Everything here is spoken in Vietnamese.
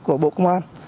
của bộ công an